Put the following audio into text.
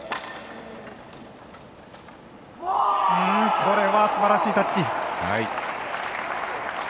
これはすばらしいタッチ。